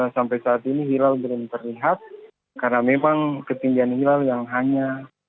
sampai saat ini hilal belum terlihat karena memang ketinggian hilal yang hanya